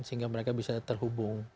sehingga mereka bisa terhubung